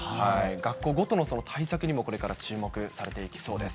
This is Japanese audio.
学校ごとの対策にもこれから注目されていきそうです。